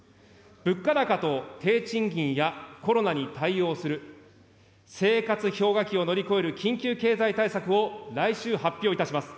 物価高と低賃金やコロナに対応する、生活氷河期を乗り越える緊急経済対策を来週発表いたします。